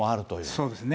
そうですね。